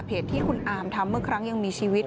ที่คุณอามทำเมื่อครั้งยังมีชีวิต